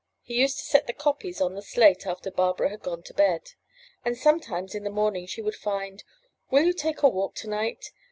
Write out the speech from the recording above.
He used to set the copies on the slate after Barbara had gone to bed, and sometimes in the morning she would find, *'Will you take a walk to night?